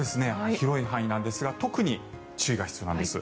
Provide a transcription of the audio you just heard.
広い範囲なんですが特に注意が必要なんです。